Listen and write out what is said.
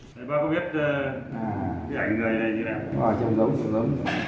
thầy ba có biết cái ảnh này là gì không ạ